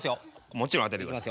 もちろん当ててください。